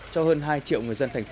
cho hơn hai triệu người dân tp